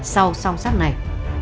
sau song sát này